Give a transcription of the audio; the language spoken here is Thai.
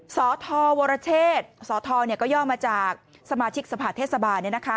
สวทวรเชษสธก็ย่อมาจากสมาชิกสภาเทศบาล